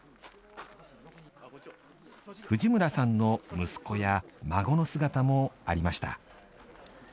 藤村さんの息子や孫の姿もありました。